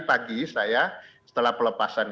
pagi saya setelah pelepasan